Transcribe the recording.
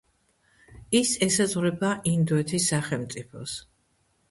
ის ესაზღვრება ინდოეთის სახელმწიფოს.